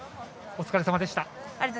お疲れさまでした。